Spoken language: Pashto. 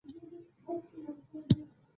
که تريو لېمو درسره يي؛ خواږه شربت ځني جوړ کړئ!